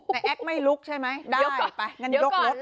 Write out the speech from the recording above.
แต่แอ๊กไม่ลุกใช่ไหมได้งั้นลุกรถเลยเดี๋ยวก่อน